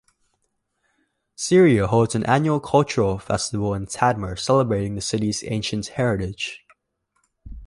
Syria holds an annual cultural festival in Tadmur celebrating the city's ancient heritage.